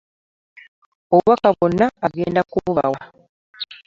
Obubaka bwonna agenda kububawa.